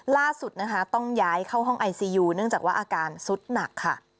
ล่าสุดนะคะต้องย้ายเข้าห้องไอซียูเนื่องจากว่าอาการสุดหนักค่ะ